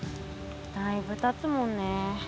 だいぶたつもんね。